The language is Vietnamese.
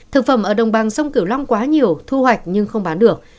thực phẩm ở đồng bằng sông kiểu long quá nhiều thu hoạch nhưng không bán được